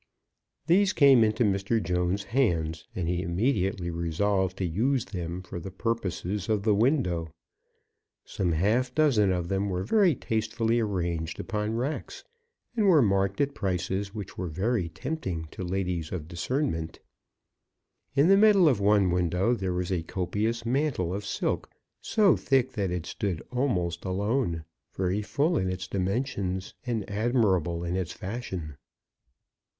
These came into Mr. Jones' hands, and he immediately resolved to use them for the purposes of the window. Some half dozen of them were very tastefully arranged upon racks, and were marked at prices which were very tempting to ladies of discernment. In the middle of one window there was a copious mantle, of silk so thick that it stood almost alone, very full in its dimensions, and admirable in its fashion.